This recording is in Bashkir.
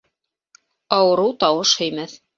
Ауырыу тауыш һөймәҫ.